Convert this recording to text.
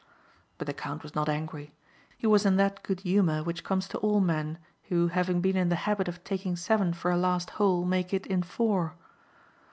But the count was not angry. He was in that good humor which comes to all men who having been in the habit of taking seven for a last hole make it in four.